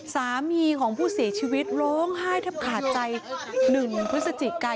สามีของผู้เสียชีวิตร้องไห้แทบขาดใจ๑พฤศจิกา